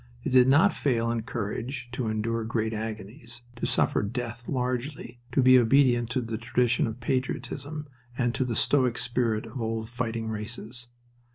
It did not fail in courage to endure great agonies, to suffer death largely, to be obedient to the old tradition of patriotism and to the stoic spirit of old fighting races.